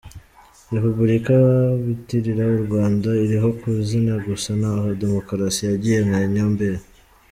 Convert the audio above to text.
-Repubulika bitirira u Rwanda iriho ku izina gusa naho Demokarasi yagiye nka nyomberi;